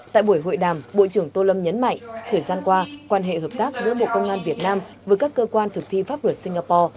tại buổi hội đàm bộ trưởng tô lâm nhấn mạnh thời gian qua quan hệ hợp tác giữa bộ công an việt nam với các cơ quan thực thi pháp luật singapore